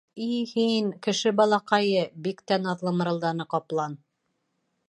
— И һин, кеше балаҡайы! — биктә наҙлы мырылданы ҡаплан.